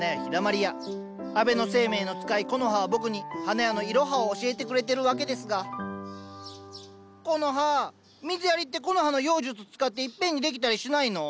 安倍晴明の使いコノハは僕に花屋のいろはを教えてくれてるわけですがコノハ水やりってコノハの妖術使っていっぺんにできたりしないの？